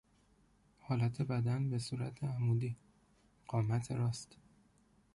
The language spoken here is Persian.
حالت بدن به صورت عمودی، قامت راست